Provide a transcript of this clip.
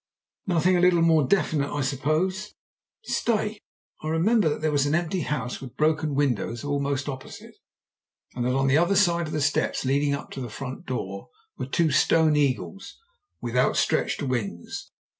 "Nothing a little more definite, I suppose?" "Stay! I remember that there was an empty house with broken windows almost opposite, and that on either side of the steps leading up to the front door were two stone eagles with out stretched wings.